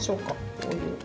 こういう。